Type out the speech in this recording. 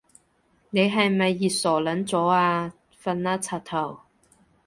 你係咪傻撚咗啊？瞓啦柒頭